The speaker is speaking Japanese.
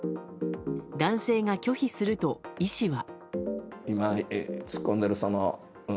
男性が拒否すると、医師は。